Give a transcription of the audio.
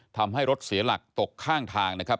ทำให้รถเสียหลักตกข้างทางนะครับ